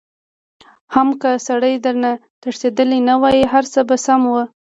حم که سړی درنه تښتېدلی نه وای هرڅه به سم وو.